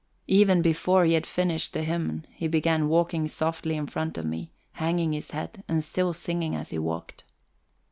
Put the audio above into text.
Even before he had finished the hymn he began walking softly in front of me, hanging his head, and still singing as he walked.